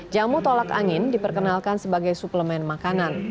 jamu tolak angin diperkenalkan sebagai suplemen makanan